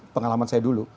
pengalaman saya dulu